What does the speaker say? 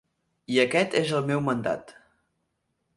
I aquest és el meu mandat.